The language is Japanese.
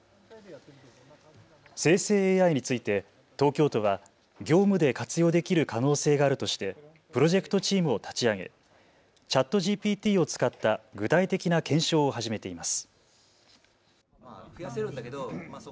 生成ＡＩについて東京都は業務で活用できる可能性があるとしてプロジェクトチームを立ち上げ、ＣｈａｔＧＰＴを使った具体的な検証を始めています。